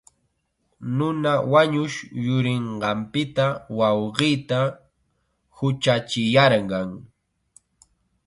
Nuna wañushqa yurinqanpita wawqiita huchachiyarqan.